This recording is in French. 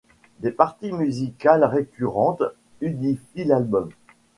Des parties musicales récurrentes unifient l'album.